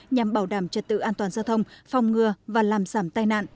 nhằm bảo đảm trật tự an toàn giao thông phòng ngừa và làm giảm tai nạn